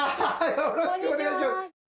よろしくお願いします。